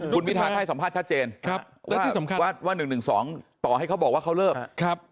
คุณพิทาก็ให้สัมภาษณ์ชัดเจนว่า๑๑๒ต่อให้เขาบอกว่าเขาเลิก